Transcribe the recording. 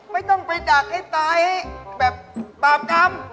ไม่ต้องไปดักไอ้ตายแบบปราบกรรม